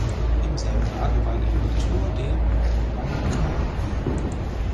Im selben Jahr gewann er die Tour de Langkawi.